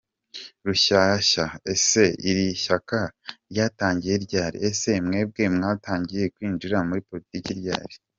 Rushyashya:Ese Iri shyaka ryatangiye ryari ?ese mwebwe mwatangiye kwinjira muri politiki ryari ?